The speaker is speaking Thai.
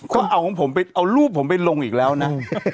เขาเอารูปผมไปลงอีกแล้วนะ